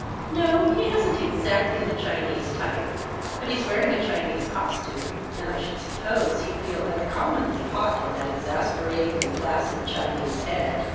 No, he hasn't exactly the Chinese type, but he's wearing a Chinese costume, and I should suppose he'd feel uncommonly hot in that exasperatingly placid Chinese head.